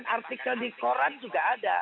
artikel di koran juga ada